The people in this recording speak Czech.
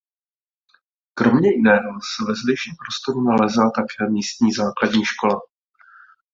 Kromě jiného se ve zdejším prostoru nalézá také místní základní škola.